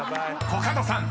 ［コカドさん］